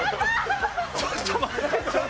ちょっと待って。